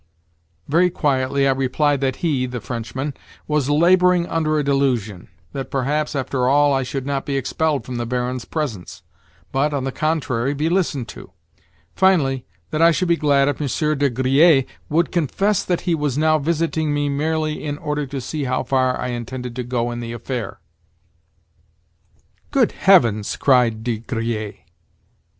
Very quietly I replied that he (the Frenchman) was labouring under a delusion; that perhaps, after all, I should not be expelled from the Baron's presence, but, on the contrary, be listened to; finally, that I should be glad if Monsieur de Griers would confess that he was now visiting me merely in order to see how far I intended to go in the affair. "Good heavens!" cried de Griers.